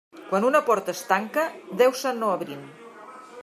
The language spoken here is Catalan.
Quan una porta es tanca, deu se n'obrin.